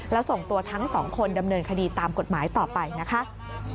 แล้วส่งตัวทั้งสองคนดำเนินคดีตามกฎหมายต่อไปนะคะ